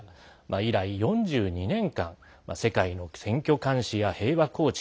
以来、４２年間世界の選挙監視や平和構築